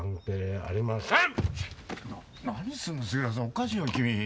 おかしいよ君。